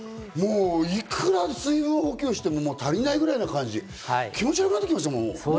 いくら水分補給しても足りないぐらいな感じ、気持ち悪くなってきましたもん。